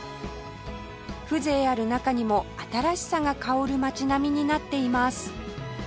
風情ある中にも新しさが薫る街並みになっています